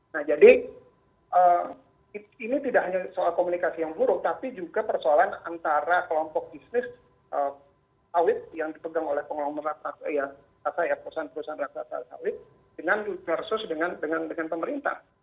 nah jadi ini tidak hanya soal komunikasi yang buruk tapi juga persoalan antara kelompok bisnis sawit yang dipegang oleh pengelola perusahaan perusahaan raksasa sawit dengan versus dengan pemerintah